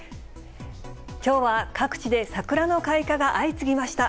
きょうは各地で桜の開花が相次ぎました。